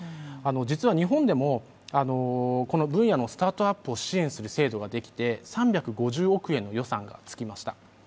実は日本でも分野のスタートアップを支援する制度ができて３５０億円の予算がつきました。